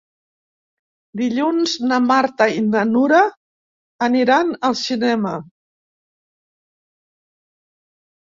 Dilluns na Marta i na Nura aniran al cinema.